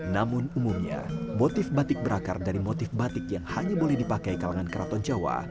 namun umumnya motif batik berakar dari motif batik yang hanya boleh dipakai kalangan keraton jawa